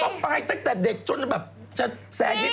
เขาก็ไปตั้งแต่เด็กจนแบบจะแซกนิดแล้วว่ะ